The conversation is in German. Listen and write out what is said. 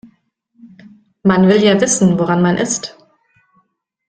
Man will ja wissen woran man ist.